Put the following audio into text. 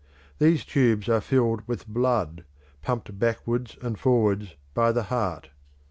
These tubes are filled with blood, pumped backwards and forwards by the heart.